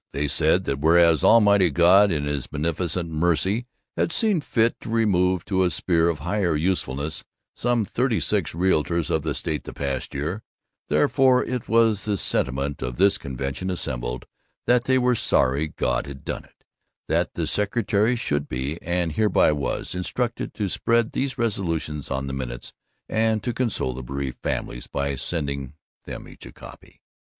They said that Whereas Almighty God in his beneficent mercy had seen fit to remove to a sphere of higher usefulness some thirty six realtors of the state the past year, Therefore it was the sentiment of this convention assembled that they were sorry God had done it, and the secretary should be, and hereby was, instructed to spread these resolutions on the minutes, and to console the bereaved families by sending them each a copy.